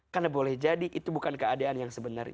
karena boleh jadi itu bukan keadaan yang sebenarnya